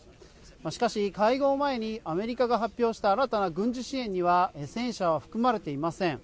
しかし、会合前にアメリカが発表した新たな軍事支援には戦車は含まれていません。